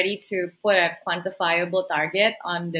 siap menemukan target yang bisa dikira